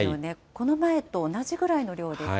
この前と同じぐらいの量ですよね。